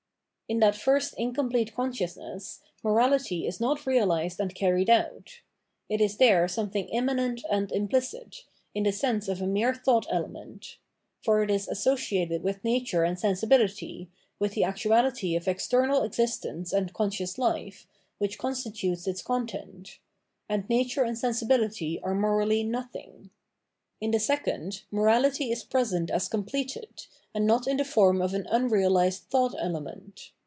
In that first incomplete consciousness, morality is not realised and carried out. It is there something immanent and implicit, in the sense of a mere thought element ; for it is associated with nature and sensi bility, with the actuality of [external] existence and conscious hfe, which constitutes its content ; and natmre and sensibility are morally nothing. In the second, morality is present as completed, and not in the form of an unrealised thought element.